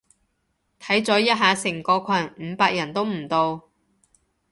睇咗一下成個群，五百人都唔到